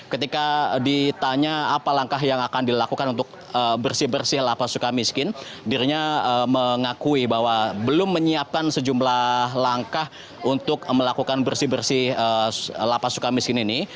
ketika ditanya apa langkah yang akan dilakukan untuk bersih bersih lapas suka miskin dirinya mengakui bahwa belum menyiapkan sejumlah langkah untuk melakukan bersih bersih lapas suka miskin ini